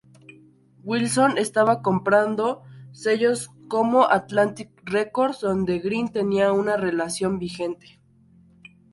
Wilson, estaban comprando sellos como Atlantic Records, donde Green tenía una relación vigente.